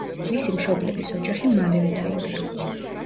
მისი მშობლების ოჯახი მალევე დაინგრა.